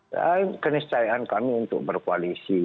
tapi keniscayaan kami untuk berkoalisi